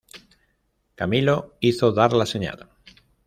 Camilo hizo dar la señal.